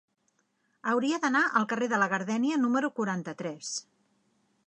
Hauria d'anar al carrer de la Gardènia número quaranta-tres.